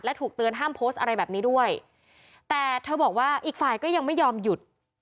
ถูกเตือนห้ามโพสต์อะไรแบบนี้ด้วยแต่เธอบอกว่าอีกฝ่ายก็ยังไม่ยอมหยุด